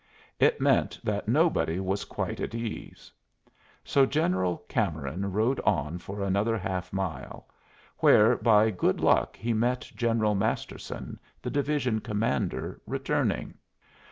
It meant that nobody was quite at ease. So General Cameron rode on for another half mile, where by good luck he met General Masterson, the division commander, returning.